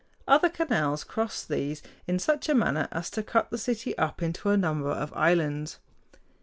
Other canals cross these in such a manner as to cut the city up into a number of islands.